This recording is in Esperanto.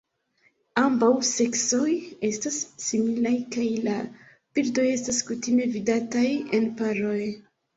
Ambaŭ seksoj estas similaj kaj la birdoj estas kutime vidataj en paroj.